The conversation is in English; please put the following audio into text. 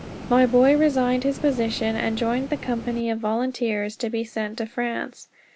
My boy resigned his position, and joined the company of volunteers to be sent to France.